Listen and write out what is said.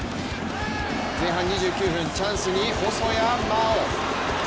前半２９分、チャンスに細谷真大。